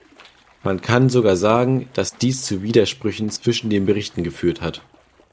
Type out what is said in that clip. Man kann sogar sagen, dass dies zu Widersprüchen zwischen den Berichten geführt hat.